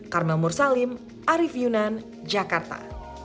karmel mursalim arief yunan jakarta